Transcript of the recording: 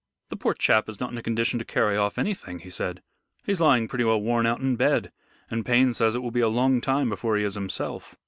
"The poor chap is not in a condition to carry off anything," he said; "he's lying pretty well worn out in bed, and Payne says it will be a long time before he is himself.